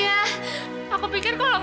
kalau ngak nolong aku wiltih butuh nanti